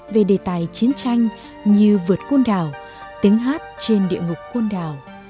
về đề tài chiến tranh như vượt cuôn đảo tiếng hát trên địa ngục cuôn đảo